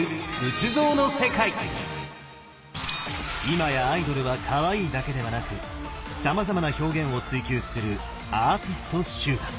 今やアイドルはかわいいだけではなくさまざまな表現を追求するアーティスト集団！